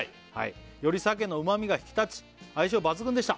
「より鮭のうまみが引き立ち相性抜群でした」